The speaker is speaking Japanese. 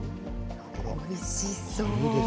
おいしそう。